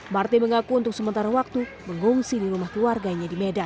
marty mengaku untuk sementara waktu mengungsi di rumah keluarganya di medan